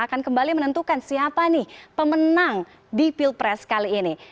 akan kembali menentukan siapa nih pemenang di pilpres kali ini